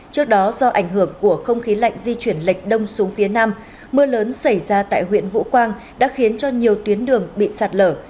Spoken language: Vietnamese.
trước đó do ảnh hưởng của không khí lạnh di chuyển lệch đông xuống phía nam mưa lớn xảy ra tại huyện vũ quang đã khiến cho nhiều tuyến đường bị sạt lở